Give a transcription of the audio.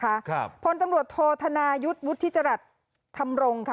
ครับพลตำรวจโทษธนายุทธ์วุฒิจรัสธรรมรงค่ะ